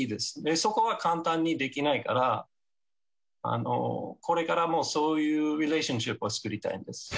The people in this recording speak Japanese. そこは簡単にできないから、これからもそういうリレーションシップを作りたいです。